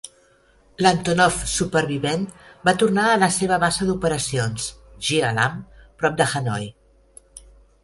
L'Antonov supervivent va tornar a la seva base d'operacions, Gia Lam, prop de Hanoi.